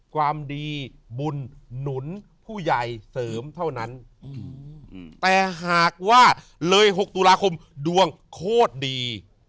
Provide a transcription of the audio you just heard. ความดีบุญหนุนผู้ใหญ่เสริมเท่านั้นแต่หากว่าเลย๖ตุลาคมดวงโคตรดี